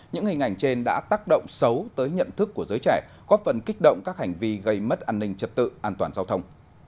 những hình ảnh trên đã tác động xấu tới nhận thức của giới trẻ góp phần kích động các hành vi gây mất an ninh trật tự an toàn giao thông